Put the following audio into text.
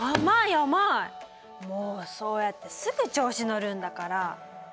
もうそうやってすぐ調子乗るんだから。